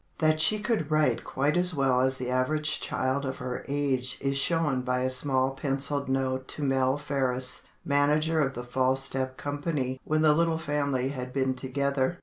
That she could write quite as well as the average child of her age is shown by a small pencilled note to Mell Faris, manager of the "False Step" Company when the little family had been together.